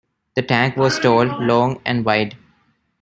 The tank was tall, long, and wide.